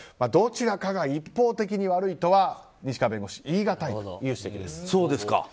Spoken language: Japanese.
どちらかが一方的に悪いとは言いがたいという指摘です。